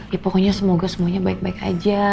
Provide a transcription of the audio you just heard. ya pokoknya semoga semuanya baik baik aja